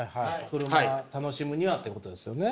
車楽しむにはってことですよね？